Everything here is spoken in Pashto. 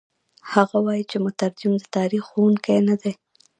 هغه وايي چې مترجم د تاریخ ښوونکی نه دی.